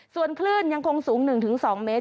ส่วนคลื่นยังคงสูง๑๒เมตร